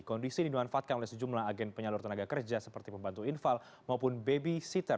kondisi dimanfaatkan oleh sejumlah agen penyalur tenaga kerja seperti pembantu infal maupun babysitter